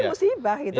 ini musibah gitu